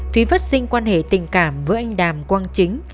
thúy phát sinh quan hệ tình cảm với anh đàm quang chính